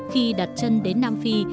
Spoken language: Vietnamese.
khi đặt chân đến nam phi